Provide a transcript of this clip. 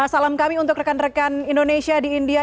salam kami untuk rekan rekan indonesia di india